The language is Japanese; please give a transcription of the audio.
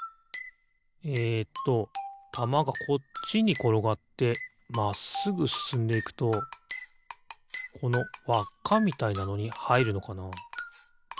えっとたまがこっちにころがってまっすぐすすんでいくとこのわっかみたいなのにはいるのかな？